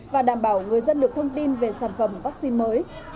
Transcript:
và đảm bảo người dân được thông tin về sản phẩm vaccine mới